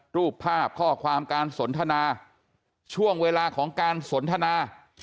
รูปภาพข้อความการสนทนาช่วงเวลาของการสนทนา